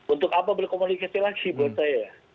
untuk apa berkomunikasi lagi buat saya